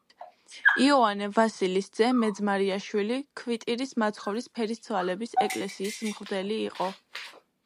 იოანე ვასილის ძე მეძმარიაშვილი ქვიტირის მაცხოვრის ფერისცვალების ეკლესიის მღვდელი იყო.